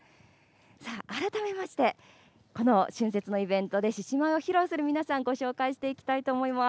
さあ、改めまして、この春節のイベントで獅子舞を披露する皆さん、ご紹介していきたいと思います。